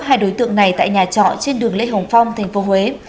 hai đối tượng này tại nhà trọ trên đường lê hồng phong tp huế